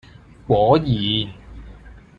果然！